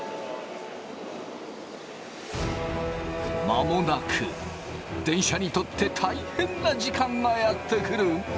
間もなく電車にとって大変な時間がやって来る。